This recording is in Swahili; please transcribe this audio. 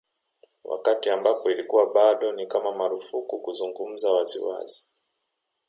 Wakati ambapo ilikuwa bado ni kama marufuku kuzungumza wazi wazi